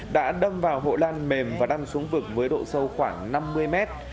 đã đâm vào hộ lan mềm và đăn xuống vực với độ sâu khoảng năm mươi mét